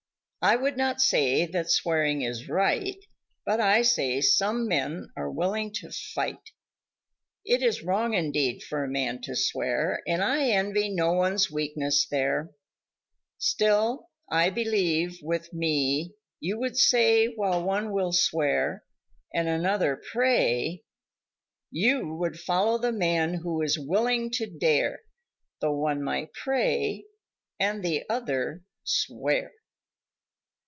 I would not say that swearing is right But I say some men are willing to fight It is wrong indeed for a man to swear, And I envy no one's weakness there Still I believe, with me you would say While one will swear and another pray You would follow the man who is willing to dare Tho one might pray and the other swear.